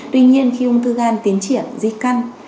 tuy nhiên khi ung thư gan tiến triển di căn